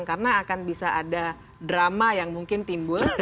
karena akan bisa ada drama yang mungkin timbul